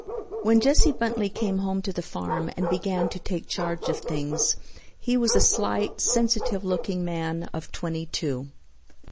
When Jesse Bentley came home to the farm and began to take charge of things he was a slight, sensitive looking man of twenty two.